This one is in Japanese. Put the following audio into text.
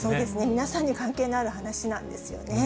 皆さんに関係のある話なんですよね。